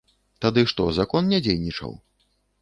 Тады што, закон не дзейнічаў?